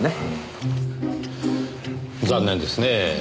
残念ですねぇ。